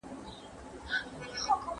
¬ د زرو په قدر زرگر پوهېږي.